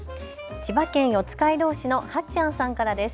千葉県四街道市のはっちゃんさんからです。